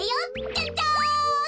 ジャジャン！